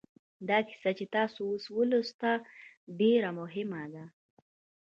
دا کیسه چې تاسې اوس ولوسته ډېره مهمه ده